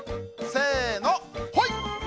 せのほい！